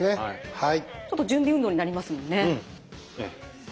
はい。